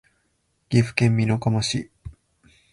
岐阜県美濃加茂市